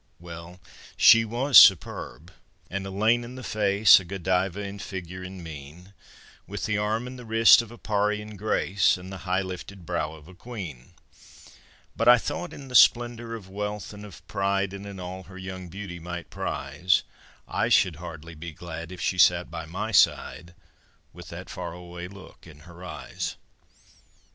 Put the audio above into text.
Well, she was superb an Elaine in the face, A Godiva in figure and mien, With the arm and the wrist of a Parian "Grace," And the high lifted brow of a queen; But I thought, in the splendor of wealth and of pride, And in all her young beauty might prize, I should hardly be glad if she sat by my side With that far away look in her eyes.